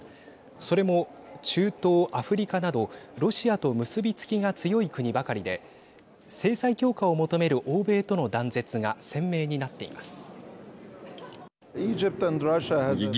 それも中東、アフリカなどロシアと結びつきが強い国ばかりで制裁強化を求める欧米との断絶が鮮明になっています。